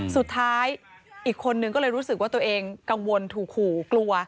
สุดท้ายอีกคนนึงก็เลยรู้สึกว่าตัวเองกังวลถูกขู่กลัว